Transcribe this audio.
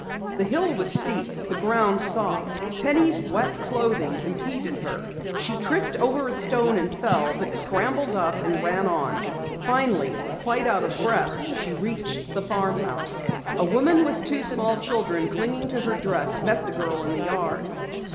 The hill was steep, the ground soft. Penny's wet clothing impeded her. She tripped over a stone and fell, but scrambling up, ran on. Finally, quite out of breath, she reached the farmhouse. A woman with two small children clinging to her dress, met the girl in the yard.